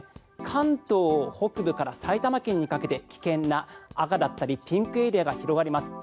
関東北部から埼玉県にかけて危険な赤だったりピンクエリアが広がります。